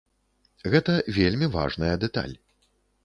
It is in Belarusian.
Гэта вельмі важная дэталь.